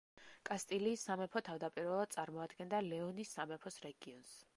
კასტილიის სამეფო თავდაპირველად წარმოადგენდა ლეონის სამეფოს რეგიონს.